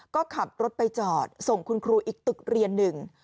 ก็ขับรถไปจอดส่งคุณครูอีกตึกเรียนหนึ่ง